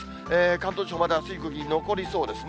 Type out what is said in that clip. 関東地方、まだ暑い空気残りそうですね。